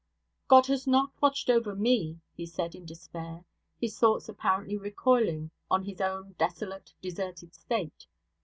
'God has not watched over me,' he said, in despair; his thoughts apparently recoiling on his own desolate, deserted state.